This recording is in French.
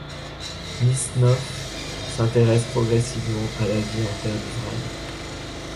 Nisnov s'intéresse progressivement à la vie en Terre d'Israël.